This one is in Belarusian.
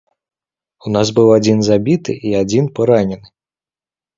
У нас быў адзін забіты і адзін паранены.